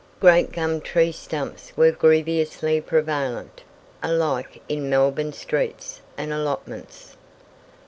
Great gum tree stumps were grievously prevalent, alike in Melbourne streets and allotments.